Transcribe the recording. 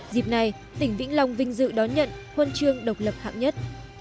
dịp này tỉnh vĩnh long vinh dự đón nhận huân chương độc lập hạng nhất